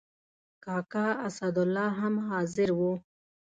کاکا اسدالله هم حاضر و.